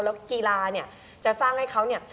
แล้วกีฬาเนี่ยจะสร้างให้เขาเนี่ย